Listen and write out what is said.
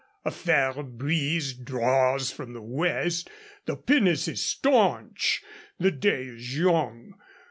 A fair breeze draws from the west. The pinnace is stanch. The day is young.